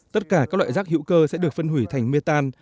tất cả các loại rác hữu cơ sẽ được phân hủy thành mê tan